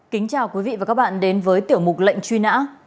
kính chào quý vị và các bạn đến với tiểu mục lệnh truy nã